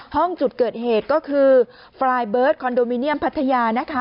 ห้องจุดเกิดเหตุก็คือไฟล์เบิร์ตคอนโดมิเนียมพัทยานะคะ